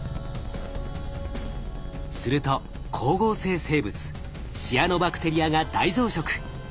すると光合成生物シアノバクテリアが大増殖。